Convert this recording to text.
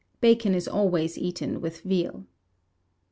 Bacon is always eaten with veal.